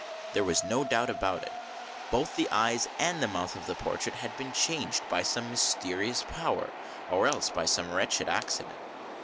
There was no doubt about it. Both the eyes and mouth of the portrait had been changed by some mysterious power or else by some wretched accident.